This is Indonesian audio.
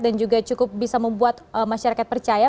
dan juga cukup bisa membuat masyarakat percaya